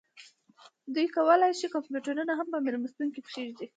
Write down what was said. دوی کولی شي کمپیوټرونه هم په میلمستون کې کیږدي